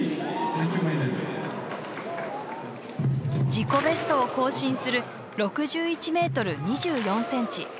自己ベストを更新する６１ｍ２４ｃｍ。